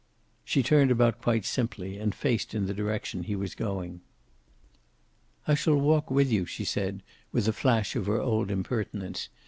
She turned about quite simply, and faced in the direction he was going. "I shall walk with you," she said, with a flash of her old impertinence.